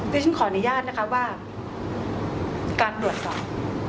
ฉันขออนุญาตนะคะว่าการตรวจสอบ